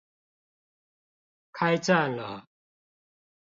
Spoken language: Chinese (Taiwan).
開站了